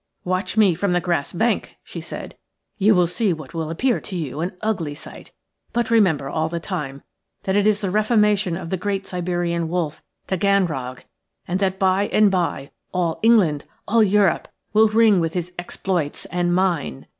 "Watch me from the grass bank," she said. "You will see what will appear to you an ugly sight; but remember all the time that it is the reformation of the great Siberian wolf Taganrog, and that by and by all England, all Europe, will ring with his exploits and mine.